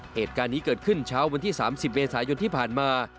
เหตุการณ์นี้เกิดขึ้นเช้าวันที่๓๐เมษายนที่ผ่านมา